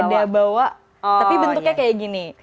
ada bawa tapi bentuknya kayak gini